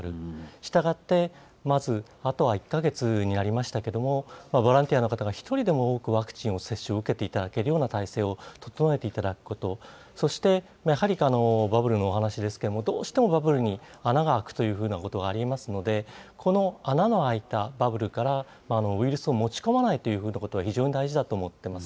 したがって、まずあとは１か月になりましたけども、ボランティアの方が１人でも多くワクチンの接種を受けていただけるような体制を整えていただくこと、そして、やはり、バブルのお話ですけれども、どうしてもバブルに穴が開くというふうなことがありえますので、この穴の開いたバブルから、ウイルスを持ち込まないといったことが非常に大事だと思ってます。